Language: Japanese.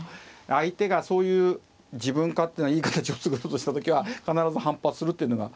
相手がそういう自分勝手ないい形を作ろうとした時は必ず反発するっていうのが。